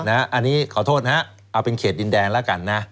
อันนี้ขอโทษนะฮะเอาเป็นเขตดินแดงแล้วกันนะ